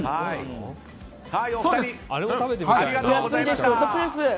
お二人、ありがとうございました。